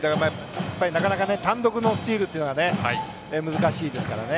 なかなか単独のスチールは難しいですからね。